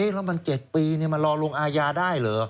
แล้วมัน๗ปีมันรอลงอาญาได้เหรอ